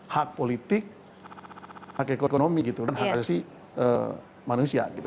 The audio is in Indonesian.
hak politik hak ekonomi gitu dan hak asasi manusia gitu